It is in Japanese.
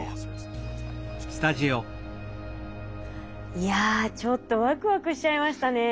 いやちょっとワクワクしちゃいましたね。